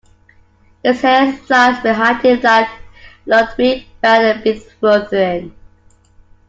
His hair flies behind him like Ludwig van Beethoven.